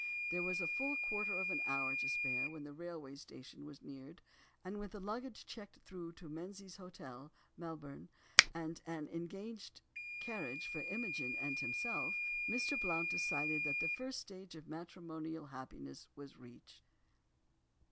There was a full quarter of an hour to spare when the railway station was neared, and with the luggage checked through to Menzies Hotel, Melbourne, and an engaged carriage for Imogen and himself, Mr. Blount decided that the first stage of matrimonial happiness was reached.